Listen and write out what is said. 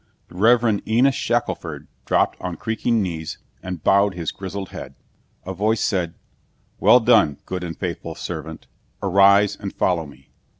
The Reverend Enos Shackelford dropped on creaking knees and bowed his grizzled head. A voice said, "Well done, good and faithful servant. Arise and follow me."